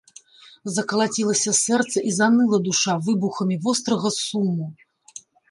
Закалацілася сэрца і заныла душа выбухамі вострага суму.